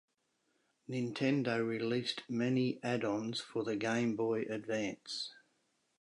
Nintendo released many addons for the Game Boy Advance.